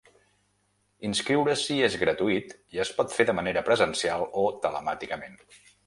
Inscriure-s’hi és gratuït i es pot fer de manera presencial o telemàticament.